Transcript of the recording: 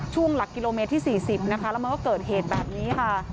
หลักกิโลเมตรที่๔๐นะคะแล้วมันก็เกิดเหตุแบบนี้ค่ะ